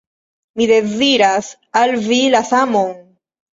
Mi deziras al vi la samon!